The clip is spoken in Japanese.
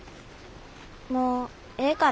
もうええから。